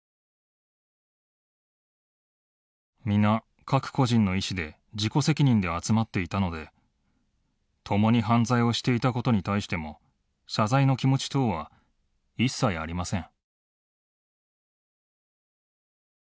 「皆各個人の意志で自己責任で集まっていたので共に犯罪をしていたことに対しても謝罪の気持ち等は一切ありません」。